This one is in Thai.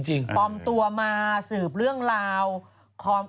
จากกระแสของละครกรุเปสันนิวาสนะฮะ